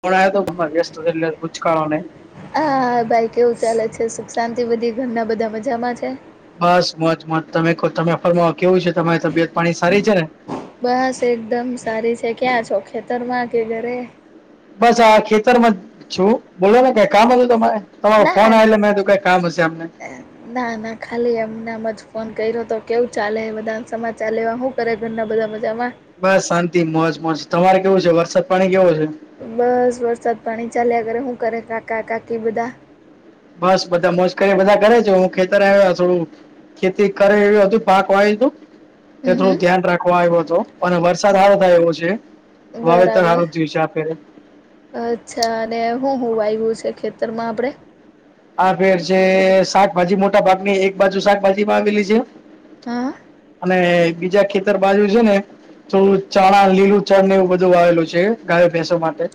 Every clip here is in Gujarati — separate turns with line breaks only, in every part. ફોન આયો તો પણ વ્યસ્ત હતો એટલે ઉચકાણો નય
હા હા ભાઈ કેવું ચાલે છે સુખ શાંતિ બધી ઘરના બધા મજામાં છે.
બસ મોજ માં જ તમે કો તમે ફરમાવો કેવું છે તમારી તબિયત પાણી સારી છે ને
બસ એકદમ સારી છે ક્યાં છો ખેતર માં કે ઘરે
બસ આ ખેતરમાં છું બોલો ને કય કામ હતું તમારે તમા ફોન
ના
આયલો મે કીધું કઈ કામ હશે એમને
ના ના ખાલી એમને મજ ફોન કર્યો હતો કેવું ચાલે બધા સમાચાર લેવા હું કરે ઘરના બધા મજામાં
બસ શાંતિ મોજ મસ્ત તમારે કેવું છે વરસાદ પાણી કેવો છે
બસ વરસાદ પાણી ચાલ્યા કરે હું કરે કાકા કાકી બધા
બસ બધા મોસ કરીને બધા ઘરે છું હું ખેતર આવ્યો થોડું ખેતી કરે [unintelligible] પાક વાયુતું એ
હમ
થોડું
હમ
ધ્યાન રાખવા આયવો તો અને વરસાદ હારો થાય એવો છે વાવેતર
બરાબર
હારું થિયુ છે આ ફેરે
અચ્છા અને હું હું વાયવુ છે ખેતરમાં આપણેે
આ ફેર જે શાકભાજી મોટા ભાગ ની એક બાજુ શાકભાજી વાવેલી છે
હા
અને બીજા ખેતર બાજુ છે ને થોડું ચણા લીલું ચણ ને એવું બધું આવેલું છે ગાયો ભેંસો માટે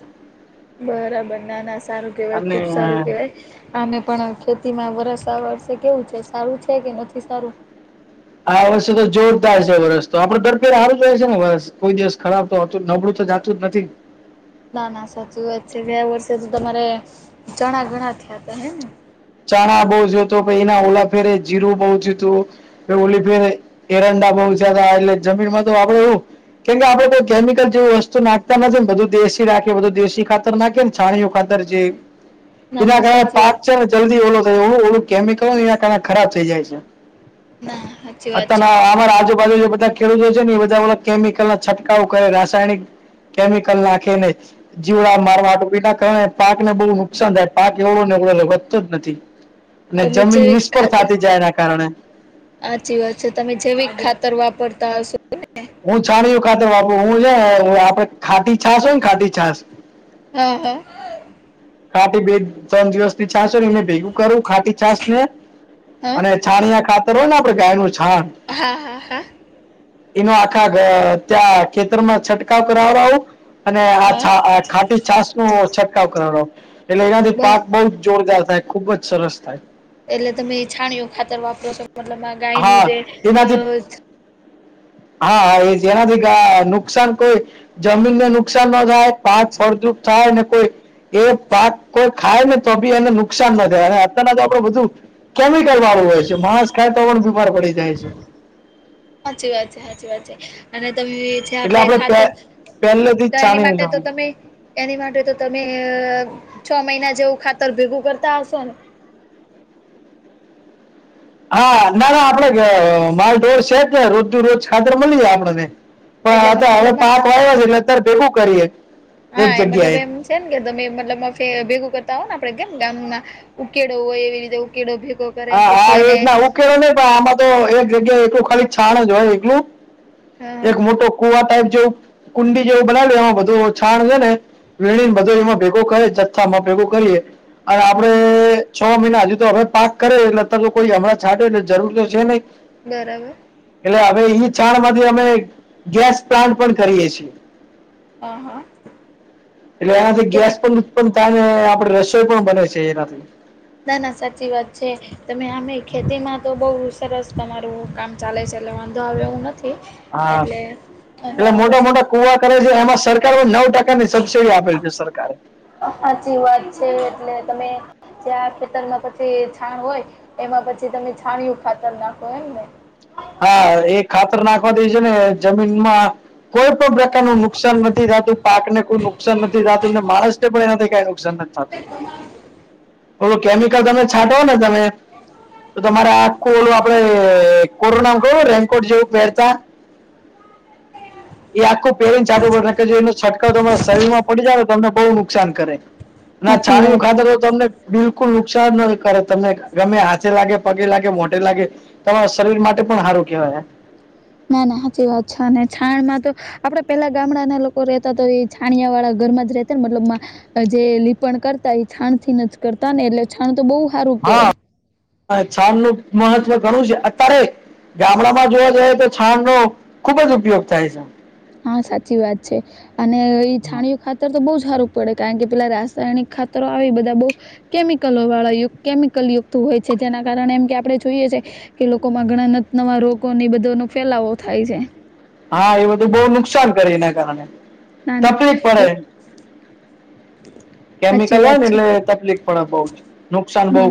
બરાબર ના ના સારું કેવાય
અને
ખુબ સારું કેવાય આને પણ ખેતીમાં વરષ આ વર્ષે કેવું છે સારું છે કે નથી સારું
આ વર્ષે તો જોરદાર છે વર્ષ તો આપડું દર ફેરે હારું જાય છે ને વરષ કોઈ દિવસ ખરાબ તો હોતું નબળું તો જાતું જ નથી
ના ના સાચું વાત છે ગયા વર્ષે તો તમારે ચણા ઘણા થયા હતા હે ને
ચણા બહુ જ્યોતો પહિ એના ઓલા ફેરે જીરું બહુ જ્યુતું ઓલી ફેર એરંડા બહ થયા હતા એટલે જમીનમાં તો આપડે એવું કેમ કે આપડે કોઈ કેમિકલ જેવું વસ્તુ નાખતા નથી ને બધું દેશી રાખે બધું દેશી ખાતર નાખે ને છાણીયુ ખાતર છે
ના
એના
ના
કારણે
સાચી
પાક
વાત
છે ને જલ્દી ઓલો થાય ઓ ઓલું કેમિકલ એના કારણે ખરાબ થઈ જાય છે.
ના સાચી
[unintelligible]
વાત છે
આમર આજુબાજુ જે બધા ખેડૂતો છે ને ઈ બધા ઓલા કેમિકલ ના છંટકાવ કરે રાસાયણિક કેમિકલ નાખીને જીવડા મારવા ડુબી ના કારણે પાકને બહુ નુકસાન થાય પાક એવડો ને એવડો રે વધતો જ નથી ને
તમે
જમીન
જૈવિક
નિષ્ફળ થાતી જાય એના કારણે
હાચી વાત છે તમે જેવી ખાતર વાપરતા હશો
હું છાણીયુ ખાતર વાપરું હું છે ને આપડે ખાટી છાશ હોય ને ખાટી છાશ
હા હા
ખાટી બે ત્રણ દિવસ ની છાશ ને એને ભેગું કરુ ખાટી છાશ ને
હા
અને છાનિયા ખાતર હોય ને આપડે ગાય નું છાણ
હા હા હા
એનો આખા ત્યાં ખેતરમાં છંટકાવ કરાવ આવું અને આ
હા
છ ખાટી છાસ નો છંટકાવ કરો એટલે એનાથી
બ
પાક બઉુ જ જોરદાર થાય ખુબ જ સરસ થાય
એટલે તમે છાણીયો ખાતર વાપરો છો મતલબ આ ગાયનુંું
હા
જે અ
એનાથી હા એ એનાથી નુકસાન કોઈ જમીનને નુકસાન ન થાય પાક ફળદ્રુપ થાય ને કોઈ એ પાક કોઈ ખાય ને તો બી એને નુકસાન ના થાય અને અત્યના તો આપડે બધું કેમિકલ વાળું હોય છે માંસ ખાય તો પણ પણ બીમાર પડી જાય છે
સાચી વાત છે સાચી વાત છે અને તમે જે
એટલે
આપડે
આપણે પે-
ખાતર
પહેલેથી
તો
જ
એની
જાણીને
માટે તો
જવાનું
તમે એની માટે તો તમે છ મહિના જેવું ખાતર ભેગું કરતા હશો ને
હા ના ના આપડે માલ ઢોર છે કે રોજુ રોજ ખાતર મળી જાય આપડને
એટલે
પણ હવે
મતલબમાં
પાક આવ્યો છે ને અત્યારે ભેગું કરીએ એક
હા એ મતલબ
જગ્યાએ
એમ છે કે તમે મતલબ ભેગું કરતા હોવ ને આપડે કેમ ગામમાં ઉકે ન હું એવી રીતે ઉકેડવ
હા હા એ રીતના હું કેવો નહી પણ આમાં તો એક જગ્યાએ એકલું ખાલી છાણ જ હોય એકલું
હ
એક મોટો કુવા ટાઈપ જેવું કુંડી જેવું બનાવી એમાં બધું છાણ છે ને. વણી મદોરીમાં ભેગો કરે જથ્થા માં ભેગો કરીએ. અને
હ
આપડણે છ મહિના હજુ તો હવે પાંક કરે એટલે અ તો કોઈ હમણાં છાડે એટલે જરૂર તો છે નહી.
બરાબર.
એટલે હવે એ છાણ માંથી અમે ગેસ પ્લાન્ટ પણ કરીએ છીએ.
હ હા
એટલે એમાંથી ગેસ
તો
પણ. પણ તને આપડે રસોઈ પણ બને છે એ નથી.
ના ના સાચી વાત છે તમે અમે ખેતી માં. તો બઉુ સરસ તમારું કામ ચાલે છે એટલે વાંધો આવ્યો એવું નથી.
હા
એટલે અને
એટલે મોટા
આપડે.
મોટા કુવા કરે છે એમાં સરકાર નવ ટકા ની સબસિડી આપેલી છે સરકારે.
સાચી વાત છે એટલે તમે જેં ખેતરમાં પછી છાણ હોય એમાં પછી તમે છાણયું ખાતર નાખો એમને.
હા એ ખાતર નાખવા દે છે ને જમીનમાં કોઈ પણ પ્રકાર ન નુકસાન નથી થતું પાક ને કોઈ નુકસાન નથી થતું ને માણસને પણ એનાથી કઈ નુકસાન નથી. તી.
[inaudible]
ઓલું કેમિકલ તમે છાંટો ને તમે તો તમારે આખું ઓલું આપડે કરનાક રેંગકોટ જીવ મેળતા.
હ.
એ આખું પેરીને છાટું પડે કે જો એનો છંટકાવ તમારા શરીર માં પડી જાય ને તમને બહુ નુકસાન કરે.
[inaudible]
ના છાણું
વાત
ખાતાર તો તો તમને બિલકુલ નુકસાન ન કરે તમને ગમે હાથે લાગે પગે લાગે મોટે લાગે તમા શરીર માટે પણ સારું કેહેવાય
ના ના સાચી વાત છે ને છાણ માં તો આપડે પેલા ગામડાના લોકો રહેેતા તો એ છાણિયા વાળા ઘરમાં જ રહેતા ને મતલબ. જે લીપણ કરતા એ છાણ થી ન જ કરતા ને એટલે છાણ તો બહુ સારું કેવાય.
હ છાલ નું મહત્વ ઘણું છે અત્યારે. ગામડામાં જોવા જઈએ તો છાણ નો ખુબ જ ઉપયોગ થાય છે.
હા સાચી વાત છે. અને એ છાણીું ખાતર તો બહુ સારું પડે કારણ કે પેલા રાસાયણિક ખાતરો આવી બધા બહ કેમિકલો વાળા યુકત કે, મિકલ યુક્ત હોય છે, જેના કારણે એમ કે આપણે જોઈએ છે. કે લોકોમાં ઘણા નવા રોગો ની બધો નો ફેલાવો થાય છે.
હા, એ બધું બહુ નુકસાન કરે, એના કારણે
ના, ના,
તકલીફ
એ
પડે
સાચી
કેમિકલ હો
વાત
ને,
છે.
એટલે તકલીફ પણ અભાવ છે.
ના,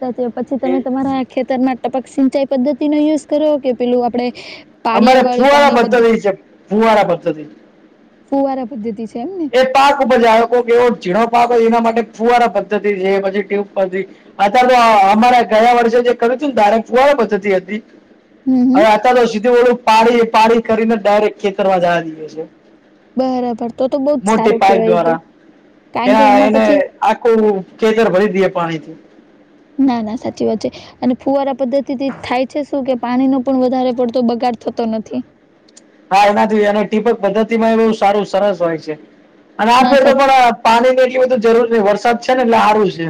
સાચે પછી તમે
એ
તમારા ખેતરમાં ટપક સિંચાઈ પદ્ધતિ નો યુઝ કરો કે, પેલું આપણે
અમારે
પાળિયાવાળી
ફૂવારા
પાણી
પદ્ધતિ છે, ફૂવારા પદ્ધતિ
ફુવારા પદ્ધતિ છે, એમને
એ પાક બજાય કો, કે એવો ઝીણો પાક હોય, એના માટે ફુવારા પદ્ધતિ છે, પછી ટ્યુબ પરધી અત્યારે તો અમારા ગયા વર્ષે જે કર્યું હતું ને, ધારે કુવારે પ્તી હતી.
હમ હમ
હવે અહઆતો સીધું ઓળું પાડી પાડી કરીને ડાયરેક્ટ ખેતરમાં જવા દઈએ છે.
બરાબર, તો તો બહુ જ
મોટી
સારું
પાઇપ દ્વારા
કેવાય, કારણ કે
એના
એમાં
એને
પછી
આખું ખેતર ભરી દેએ, પાણીથી.
ના, ના, સાચી વાત છે. અને ફુવારા પદ્ધતિથી થાય છે, શું કે પાણીનો પણ વધારે પડતો બગાડ થતો નથી.
હા, એનાથી અને ટીપક પદ્ધતિ માં એ બહુ સારું, સરસ હોય છે, અને આ
ના
ફેર તો
સાચ
પણ. પાણી ની એટલી બધી જરૂર નથી, વરસાદ છે ને, એટલે આરું છે.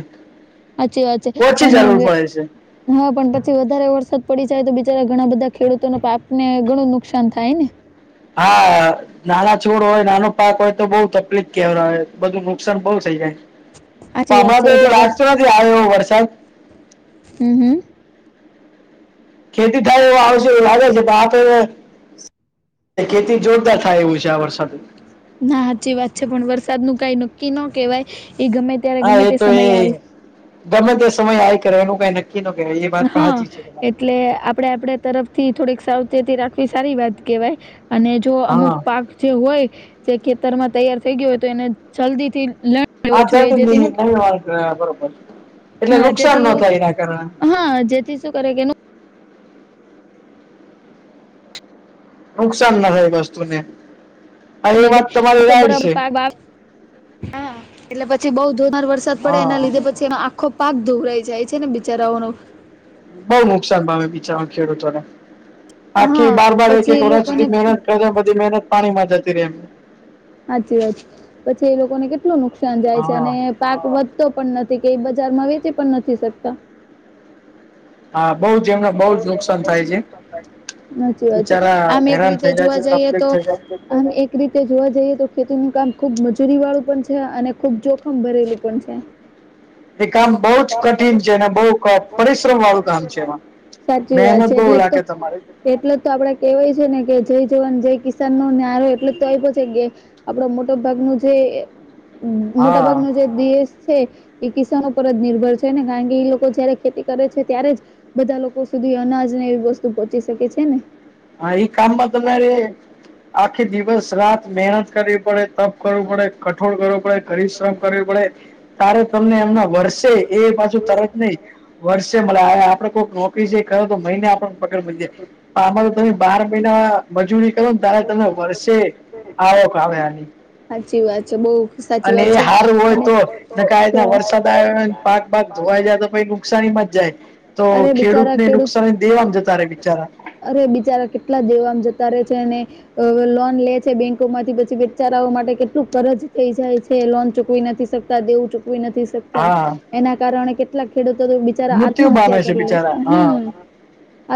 સાચી વાત છે
ઓછી જરૂર પડે
પણ
છે.
હા, પણ પછી વધારે વરસાદ પડી જાય તો બિચારા ઘણા બધા ખેડૂતો ન પાકેને, ઘણું નુકસાન થાય ને.
હા. નાના છોડ હોય, નાનો પાક હોય તો બઉુ તકલીફ કેવા હોય, બધું નુકસાન બહુ થઇ જાય.
સાચી વાત છે એટલે વર્ષ
[unintelligible]
હમ, હમ.
ખેતી થાય, એ આવશે એવું લાગે છે, પણ આપ ખેતી જોડતા થાય એવું છે આ વરસાદ.
ના, સાચી વાત છે, પણ વરસાદ નું કઈ નક્કી ના કહેવાય, એ ગમે ત્યારે,
હા
ગમે
એ
તે
તો
સમય
એ
આવી
ગમે તે સમય આવ્યા કરે, એનું કંઈ નક્કી નહિં. [unintelligible]
હા, એ. એટલે આપડે આપડા તરફથી થોડીક સાવચેતી રાખવી સારી વાત કહેવાય, અને જો
હા
અમુક પાક જે હોય, જે ખેતરમાં તૈયાર થઈ ગયો હોય, તો એને જલ્દી થી લ
આ ચંદની નવી વા બરાબર, એટલે
હા
નુકસાન
જેથી
ન થાય એના કારણે.
જેથી શું કરે કે
નુકસાન ના હોય, વસ્તુને. હા એ વાત તમારી
તો
રાઈટ
બરાબર
છે
પાક્વા. હા, એટલે પછી બઉ જોરમાર વરસાદ પડે, એના
હા
લીધે પછી એનો આંખો પાક ધુવરાઈ જાય છે ને, બિચારાઓનો.
બઉુ નુકસાન પામે, બીચારા ખેડૂતોને. આખી
હા
બાર-બાર,
પછી
એક-એક
એ
વર્ષ
લોકોને
સુધી મહેનત કરે, બધી મહેનત પાણીમાં જતી રહે એમ.
સાચી વાત છે. પછી એ લોકોને કેટલું નુકસાન જાય છે, અને
હા
પાક વધતો પણ નથી, કઈ બજારમાં વેચતી પણ નથી શકતા.
હા, બઉ જ. એમને બઉ જ નુકસાન થાય છે.
સાચી વાત છે
બિચારા
આમ એક
હેરાન થઇ
રીતે
જાય
જોવા
છે,
જઈએ
તકલીફ
તો
થઇ જાય.
આમ, એક રીતે જોવા જઈએ તો ખેતી નું કામ ખુબ મજૂરી વાળું પણ છે અને ખુબ જોખમ ભરેલું પણ છે.
એ કામ બહુ જ કઠિન છે અને બહુ પરિશ્રમ વાળું કામ છે, એમાં.
સાચી વાત
મહેનત
છે
બઉુ
એટલે તો
લાગે તમારી.
એટલે જ તો આપડે કેહેવાય છે ને કે, જય જવાન, જય કિસાન. નો નારો એટલો જ આય્પો છે. આપડે મોટા ભાગ ના જે, મોટા ભાગ
હા
ના જે દેશ છે, એ કિસાનો ઉપ જ નિર્ભર છે ને, કારણ કે ઈ લોકો જયારે ખેતી કરે છે, ત્યારે જ. બધા લોકો સુધી અનાજ ને એવી વસ્તુ પહોંચી શકે છે ને.
હા એ કામમાં તમારે, આખી દિવસ રાત મહેનત કરવી પડે, તપ કરવું પડે, કઠોળ કરવું પડે, પરિશ્રમ કરવી પડે. તારે તમને એમના વરસે, એ બાજુ તરત નહી, વરસે મલે, આ આ આપડે કોઈનો પીજે કરોતો મહિને આપને પગાર મલી જાય, આમાં તો તમે બાર મહિના પછી મજદૂરી કરોને, તારે તમે વર્ષે, આવક આવે આની.
સાચી વાત છે, બહુ સાચી
અને
વાત
એ
છે
હારુ હોય
અને
તો. ને
તો
ક્યાંના વરસાદ આવ્યો, પાક બાગ ધોવાઈ જાય, તો કઈ નુકસાનીમાં જાય. તો
અરે
ખેડૂત
બિચારા
ને નુકસાન દેવામ જતારે બિચારા.
અરે બિચારા કેટલા દેવામ જતા રહે છે, ને અ લોન લે છે બેંકો માંથી, પછી બેચારાઓ માટે કેટલું કરજ થઈ જાય છે, લોન ચૂકવી નથી શક તા, દેવું ચૂકવી નથી શકતા,
હા
એના કારણે કેટલાક ખેડૂતોતો બે ચારા
મૃત્યુ પામે
આત્મહત્યા કરી લે છે,
બિચારા હા
હમ્મ,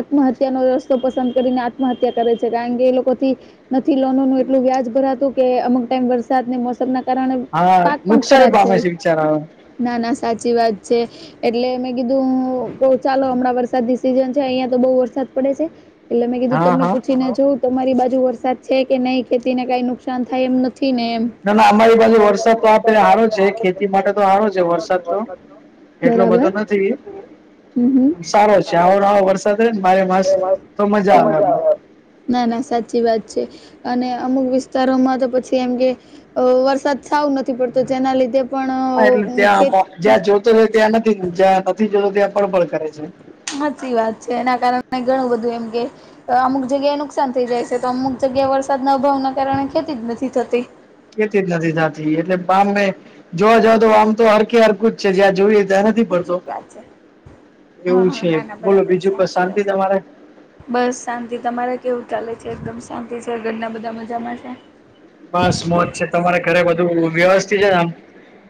આત્મહત્યા નો રસ તો પસંદ કરીને આત્મહત્યા કરે છે, કારણ કે એ લોકોથી નથી લોનોનું એટલું વ્યાજ ભરાતું, કે અમુક ટાઈમ વરસાદ ને મોસ સમના કારણે
હા
પાક પણ
નુકસાની
ખરાબ
પામે
જાય,
છે બિચારા હવે.
ના ના સાચી વાત છે. એટલે મેં કીધું, તો ચાલો હમણાં વરસાદની સીઝન છે, અહિયાં તો બહુ વરસાદ પડે છે. એટલે મેં કીધું,
હા
તમને
હા
પૂછીને જોવું. તમારી બાજુ વરસાદ છે કે નહીં? ખેતી ને કાઈ નુકસાન થાય એમ નથી ને એમ.
ના ના અમારી બાજુ વરસાદ તો આપે હારો છે. ખેતી માટે તો હારો છે, વરસાદ તો એટલો
બરાબર
બધો નથી,
હમ હમ
સારો છે, આવો ર આવો વરસાદ હો ને બારે માસ.
એમાં તો મજા આવે. ના ના સાચી વાત છે, અને અમુક વિસ્તારોમાં તો પછી એમ કે અ વરસાદ સાવ નથી પડતો, જેના લીધે
હા એટલે
પણ
ત્યાં
ખેત
મો, જ્યાં જોતો રહે ત્યાં નથી, જ્યાં નથી જોતો ત્યાં પળ પળ કરે છે.
હાચી વાત છે, એના કારણે મે ઘણું બધું એમ કે અ અમુક જગ્યાએ નુકસાન થઈ જાય છે, તો અમુક જગ્યાએ વરસાદના અભાવના કારણે ખેતીજ નથી થતી.
ખેતી જ નથી થાતી, એટલે પામે જોવા જાવ તો આમ તો હરકી હરકું જ છે, જ્યાં જોઈએ ત્યાં નથી પડતો,
સાચી વાત છે હા
એવું
હા
છે,
ના ના
બોલો
બરાબર છે
બીજું કો
સાચી
શાંતિ
વાત છે.
તમારે?
બસ શાંતિ, તમારે કેવું ચાલે છે? એકદમ શાંતિ છે? ઘરના બધા મજામાં છે?
બસ મોજ છે, તમારે ઘરે બધું વ્યવસ્થિત છે ને આમ,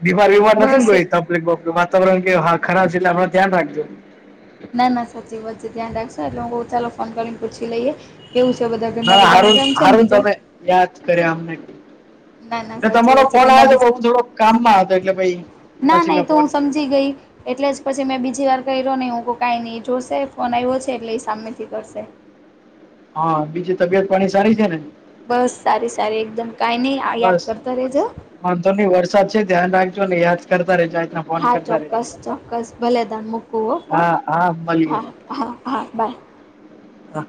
બીમાર વીમાર નથી ને કોઈ ત તો એક વતનું વાતાવરણ કે હા ખરાબ છે, એટલે હમણા ધ્યાન રાખજો.
ના ના સાચી વાત છે, ધ્યાન રાખશો એટલે હું બહુ ચાલો ફોન કરીને પૂછી લઈએ. કેવું છે, બધા ઘરના બધા મજા છે, ને બીજા?
યાજ કારિયા અમને.
ના ના
તે
સાચી
તમારો
વાત છે
કોલ
ઘરના
આયો તો
બીજા
હુ થોડો કામમાં હતો, એટલે પહિ
ના
પછી
ના, એ
મેં
તો
ફોન
હું
કર્યો
સમજી ગઈ. એટલેજ પછી મેં બીજી વાર કર્યો નહીં, હું કો કાંઈ નહીં એ જોશે ફોન આવ્યો છે, એટલે એ સામેથી કરશે.
હા, બીજી તબિયત પાણી સારી છે ને?
બસ સારી સારી એકદમ, કાઈ નહી આ
બસ
યાદ કરતા રેજો.
વાંધો નહી વરસાદ છે, ધ્યાન રાખજોને યાદ કરતા રેજો આજ
હા, ચોક્કસ ચોક્કસ, ભલે તમે મૂકુ હ ફોન,
હા હા મળીએ
હા હા હા બાય.
હા